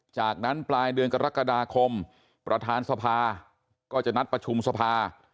จากนั้นปลายเดือนกรกฎาคมประธานสภาก็จะนัดประชุมสภา